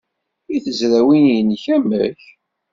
I tezrawin-nnek, amek?